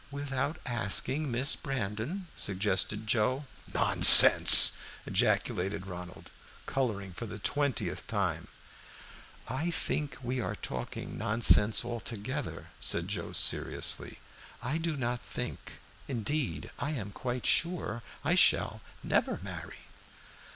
"Without asking Miss Brandon?" suggested Joe. "Nonsense!" ejaculated Ronald, coloring for the twentieth time. "I think we are talking nonsense altogether," said Joe, seriously. "I do not think, indeed I am quite sure, I shall never marry."